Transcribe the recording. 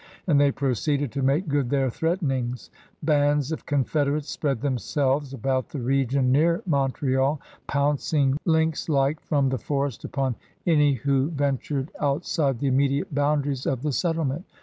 And they proceeded to make good their threatenings. Bands of confederates spread themselves about the region near Montreal, pouncing lynx like from the forest upon any who THE POUNDING ^OF NEW FRANCE 57 ventured outside the immediate boundaries of the settlement.